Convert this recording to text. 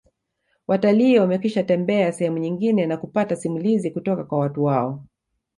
Watalii wamekwishatembelea sehemu nyingine na kupata simulizi kutoka kwa watu wao